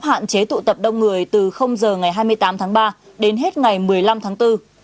hạn chế tụ tập đông người từ giờ ngày hai mươi tám tháng ba đến hết ngày một mươi năm tháng bốn